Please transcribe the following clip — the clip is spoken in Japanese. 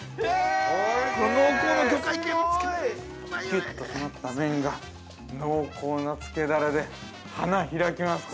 ◆キュッと締まった麺が濃厚なつけダレで花開きます